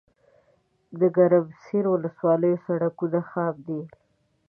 دګرمسیر ولسوالۍ سړکونه خام دي